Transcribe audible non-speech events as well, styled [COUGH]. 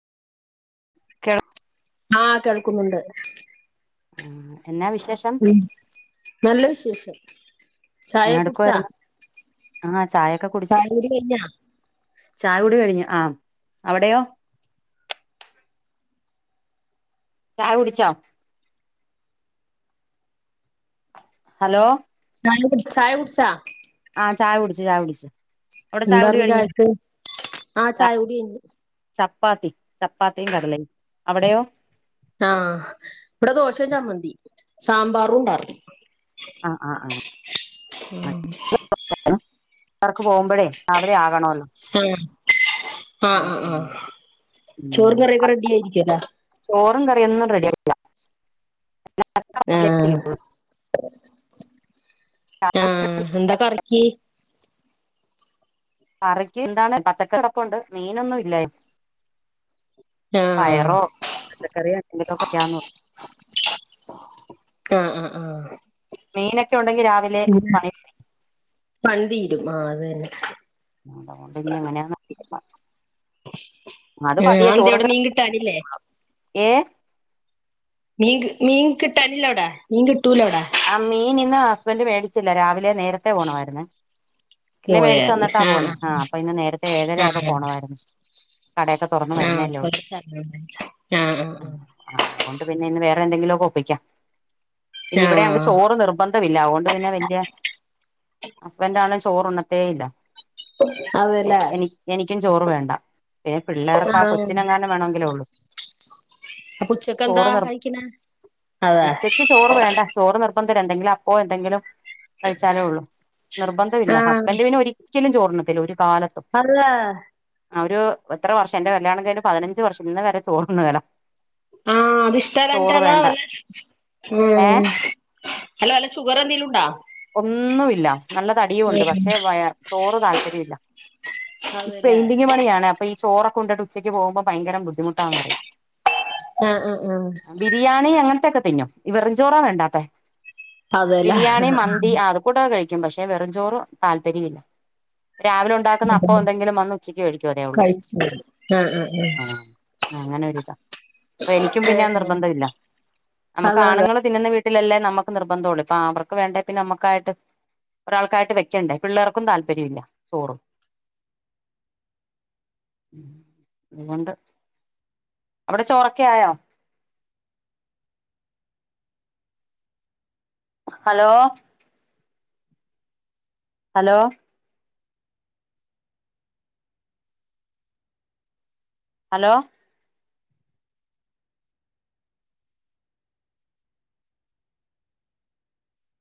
കെള ആഹ് കേൾക്കുന്നുണ്ട്. ഉം എന്നാ വിശേഷം? നല്ല വിശേഷം. ചായ എന്നാ കുട്ച്ചാ എടുക്കുവായിരുന്നു ആ ചായൊക്കെ കുടിച്ച് ചായകുടി കയ്ഞ്ഞാ? ചായ കുടി കഴിഞ്ഞ്‌ ആ അവിടെയോ? ചായ കുടിച്ചോ? ഹലോ [UNINTELLIGIBLE] ചായ കുട്ച്ചാ? ആഹ് ചായ കുട്ച്ച് ചായ കുടിച്ച്. എന്താർന്ന് ചായക്ക് ആഹ് ചായ കുടി കയ്ഞ്ഞു. ചപ്പാത്തി ചപ്പാത്തീം കടലയും അവിടെയോ? ആഹ് ഇവടെ ദോശെ ചമ്മന്തി സാമ്പാറുണ്ടാർന്നു. ആഹ് അഹ് ആഹ് [UNINTELLIGIBLE] [UNINTELLIGIBLE] അവർക്ക് പോമ്പഴേ രാവിലെ ആകണോലോ. ആഹ് അഹ് അഹ് ചോറും ഉം കറിയൊക്കെ റെഡി ആയിരിക്കുലെ? ചോറും കറിയൊന്നും റെഡി ആയിട്ടില്ല. ആഹ് ആഹ് എന്താ കറിക്ക്? കറിക്ക് എന്താണ് പച്ചക്കറിക്കൊണ്ട് മീനൊന്നും ഇല്ലായി ആഹ് പയറോ പച്ചക്കറിയോ എന്തൂട്ടൊക്കെ ചെയ്യാ ആഹ് ആഹ് ആഹ് മീനൊക്കെ ഉണ്ടെങ്കി രാവിലെ പണി പണി തീരും ആഹ് അതെന്നെ. അത്കൊണ്ട്ഞ്ഞ്‌ എങ്ങനെന്ന് അറീല്ല. ആഹ് അത് പതിയെ അതെന്തെ ചോറ് അവിടെ മീൻ കിട്ടാനില്ലേ [UNINTELLIGIBLE] ഏഹ് മീൻ, മീൻ കിട്ടാനില്ല ഔടെ മീൻ കിട്ടൂലെ ഔടെ? ആഹ് മീൻ ഇന്ന് ഹസ്ബെന്റ് മേടിച്ചില്ല രാവിലെ നേര്ത്തെ പോണമായിര്ന്നെ ഇല്ലെ മേടിച്ച് തന്നിട്ടാ പോന്നെ ആഹ് അപ്പൊ ഇന്ന് നേര്ത്തെ ഏഴര ആഹ് ആയപ്പോ പോണമായിരുന്നു. കടയൊക്കെ തുറന്ന് ആഹ് വരുന്നല്ലേ ഉള്ളൂ കൊച്ചാ ആഹ് ആഹ് ആഹ് ആഹ് അത്കൊണ്ട് പിന്നെ ഇന്ന് വേറെ എന്തെങ്കിലൊക്കെ ഒപ്പിക്കാം. ഇനി ഇവിടെ അങ്ങ് ആഹ് ചോറ് നിർബന്ധം ഇല്ല അതുകൊണ്ട് പിന്നെ വല്യ ഹസ്ബൻഡാണെ ചോറ് ഉണ്ണത്തേ ഇല്ല എ അതെല്ലേ എനി എനിക്കും ചോറ് വേണ്ട പിന്നെ പിള്ളേർക്ക് ആ ആഹ് കൊച്ചിനെങ്ങാനും വേണമെങ്കിലേ ഒള്ളു അപ്പൊ ഉച്ചക്കെന്താ കഴിക്കണെ അതെ ഉച്ചയ്ക്ക് ചോറ് വേണ്ട ചോറ് നിർബന്ധം എന്തെങ്കിലും അപ്പോ എന്തെങ്കിലും കഴിച്ചാലേ ഒള്ളൂ നിർബന്ധം ഇല്ല ആഹ് ഹസ്ബൻഡ് പിന്നെ ഒരി രിക്കലും ചോർണത്തില്ല ഒരു കാലത്തും അർലെ ആഹ് ഒരു എത്ര വർഷം എന്റെ കല്യാണം കഴിഞ്ഞ് പതിനഞ്ച് വർഷം ഇന്ന് വരെ ചോറുന്നേല ആഹ് അത്ഷ്ടല്ലാഞ്റ്റ അതാ വച്ച് ഏ ഉം ഹലോ അല്ല ഷുഗർ എന്തേലും ഇണ്ടാ ഒന്നും ഇല്ല നല്ലതടിയും ഒണ്ട് പക്ഷെ വയ ചോറ് താല്പര്യവില്ല ഈ അതെല്ലേ പെയിന്റിങ് പണിയാണ് അപ്പൊ ഇ ചോറൊക്കെ ഉണ്ടട്ട് ഉച്ചക്ക് പോകുമ്പോ ഭയങ്കര ബുദ്ധിമുട്ടാന്ന് പറയും ആഹ് ആഹ് ആഹ് ബിരിയാണി അങ്ങൻത്തെക്കെ തിന്നും വെറുചോറാ വേണ്ടാത്തെ അതെല്ലേ ബിരിയാണി മ അത്കൂടൊക്കെ കഴിക്കും പക്ഷെ വെറും ചോറ് താല്പര്യല്ല രാവി ഉണ്ടാക്കുന്ന അതെ അപ്പൊ എന്തെങ്കിലും വന്ന് ഉച്ചക്ക് കഴിക്കും അതെ ഒള്ളൂ കഴിച്ചു ആഹ് അങ്ങനെ ഒരിതാ അപ്പൊ എനിക്കും പിന്നെ ആഹ് നിർബന്ധവില്ല നമ്മുക്ക് അതെ അതെ ആണുങ്ങള് തിന്നുന്ന വീട്ടിലല്ലേ നമുക്ക് നിർബന്ധം ഒള്ളൂ ഇപ്പ അവർക്ക് വേണ്ടേ പിന്നെ നമ്മക്കായിട്ട് ഒരാൾക്കായിട്ട് വെക്കണ്ടേ പിള്ളേർക്കും താല്പര്യം ഇല്ല ചോറു [UNINTELLIGIBLE] അവിടെ ചോറൊക്കെ ആയോ? Hello hello hello